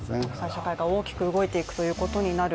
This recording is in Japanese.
戦いが大きく動いていくということになる。